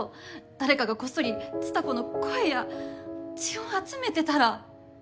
誰かがこっそり蔦子の声や血を集めてたら。